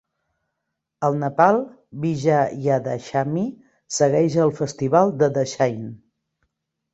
Al Nepal, Vijayadashami segueix al festival de Dashain.